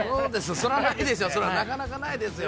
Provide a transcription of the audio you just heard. そらないでしょ、なかなかないですよ。